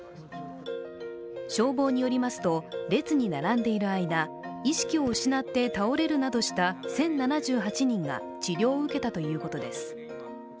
消防によりますと、列に並んでいる間、意識を失って倒れるなどした１０７８人が治療を受けたということです。